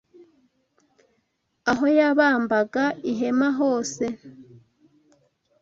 Aho yabambaga ihema hose